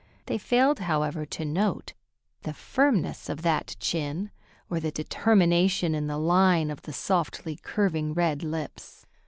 They failed, however, to note, the firmness of that chin, or the determination in the line of the softly curving red lips.